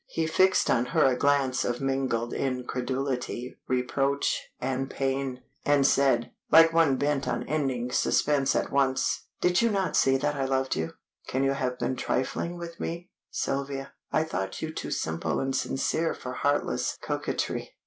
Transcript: He fixed on her a glance of mingled incredulity, reproach, and pain, and said, like one bent on ending suspense at once "Did you not see that I loved you? Can you have been trifling with me? Sylvia, I thought you too simple and sincere for heartless coquetry."